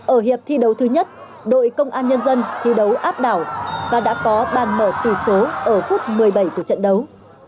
ở hiệp thi đấu thứ nhất đội công an nhân dân thi đấu áp đảo và đã có bàn mở tỷ số ở phút một mươi bảy từ trận đấu